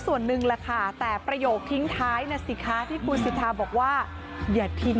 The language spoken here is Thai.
เพราะรักฉันไม่พลาดฉันไม่โทษ